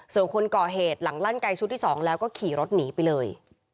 ส่วนคนก่อเหตุหลังลั่นไก่ชุดที่๒แล้วก็ขี่รถหนีไปเลย